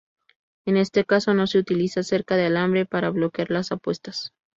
En este caso, no se utiliza cerca de alambre para bloquear las apuestas.